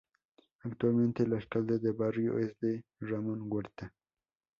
Actualmente el alcalde de barrio es D. Ramón Huerta.